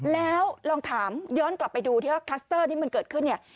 แล้วลองถามย้อนกลับไปดูที่ว่าคลัสเตอร์ที่มันเกิดขึ้นเนี่ย